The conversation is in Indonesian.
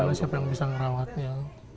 kalau siapa yang bisa merawatnya